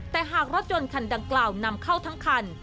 แต่หากรถยนต์คันดังกล่าวนำเข้าทั้งคัน